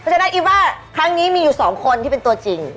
เพราะฉะนั้นอิว่าครั้งนี้มีอยู่๒คนที่เป็นตัวจริง